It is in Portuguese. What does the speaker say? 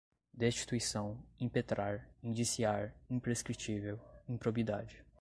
destituição, impetrar, indiciar, imprescritível, improbidade